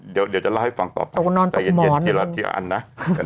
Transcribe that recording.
เดี๋ยวจะเล่าให้ฟังต่อไปใจเย็นทีละทีละอันนะ